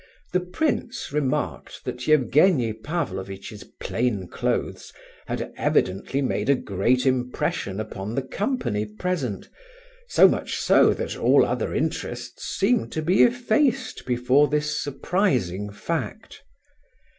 The prince remarked that Evgenie Pavlovitch's plain clothes had evidently made a great impression upon the company present, so much so that all other interests seemed to be effaced before this surprising fact.